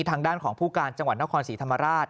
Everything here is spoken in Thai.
ทางด้านของผู้การจังหวัดนครศรีธรรมราช